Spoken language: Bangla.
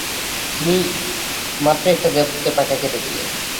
তুমি মাত্রই একটা দেবদূতের পাখা কেটে দিলে।